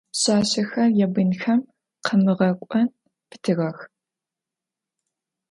Пшъашъэхэр ябынхэм къамыгъэкӏон фитыгъэх.